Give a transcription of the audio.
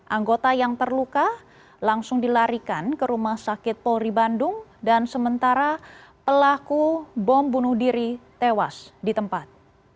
anggota yang terluka langsung dilarikan ke rumah sakit polri bandung dan sementara pelaku bom bunuh diri tewas di tempat